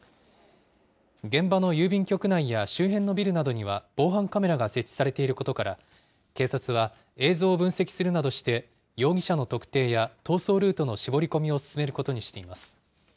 現場の郵便局内や周辺のビルなどには防犯カメラが設置されていることから、警察は映像を分析するなどして、容疑者の特定や逃走ルートの絞り込みを進めることにしています。